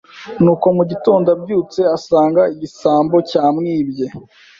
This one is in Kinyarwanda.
Nuko mu gitondo abyutse, asanga igisambo cyamwibye